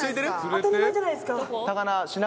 当たり前じゃないですか。